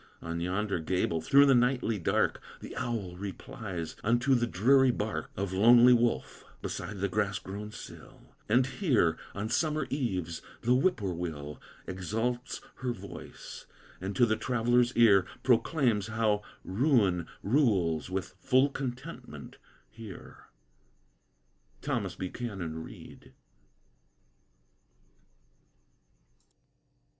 On yonder gable, through the nightly dark, The owl replies unto the dreary bark Of lonely fox, beside the grass grown sill; And here, on summer eves, the whip poor will Exalts her voice, and to the traveller's ear Proclaims how Ruin rules with full contentment here. THOMAS BUCHANAN READ.